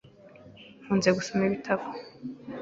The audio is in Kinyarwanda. Nkunze gusoma ibitabo .